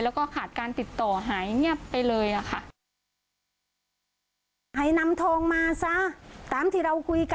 แล้วก็ขาดการติดต่อหายไปเลยอะค่ะ